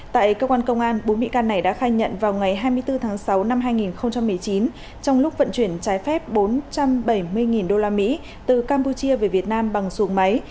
tại cơ quan công an bốn bị can này đã khai nhận vào ngày hai mươi bốn tháng sáu năm hai nghìn một mươi chín trong lúc vận chuyển trái phép bốn trăm bảy mươi usd từ campuchia về việt nam bằng xuồng máy